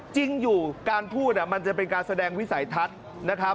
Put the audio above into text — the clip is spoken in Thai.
จริงอยู่การพูดมันจะเป็นการแสดงวิสัยทัศน์นะครับ